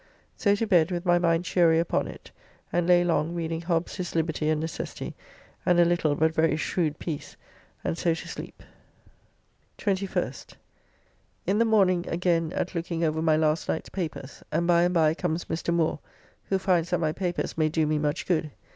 So to bed with my mind cheery upon it, and lay long reading "Hobbs his Liberty and Necessity," and a little but very shrewd piece, and so to sleep. 21st. In the morning again at looking over my last night's papers, and by and by comes Mr. Moore, who finds that my papers may do me much good.